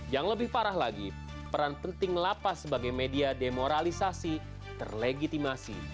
yang lebih parah lagi peran penting lapas sebagai media demoralisasi terlegitimasi